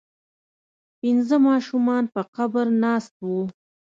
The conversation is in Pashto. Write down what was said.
پنځه ماشومان په قبر ناست وو.